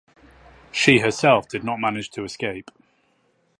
She herself did not manage to escape.